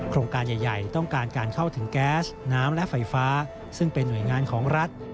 การใหญ่ต้องการการเข้าถึงแก๊สน้ำและไฟฟ้าซึ่งเป็นหน่วยงานของรัฐ